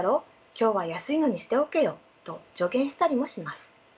今日は安いのにしておけよ」と助言したりもします。